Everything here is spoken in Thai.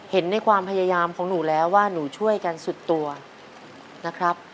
เห็นในความพยายามของหนูแล้วว่าหนูช่วยกันสุดตัวนะครับ